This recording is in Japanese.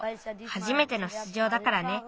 はじめてのしゅつじょうだからね。